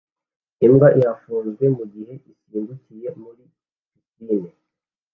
Imbwa irafunzwe mugihe isimbukiye muri pisine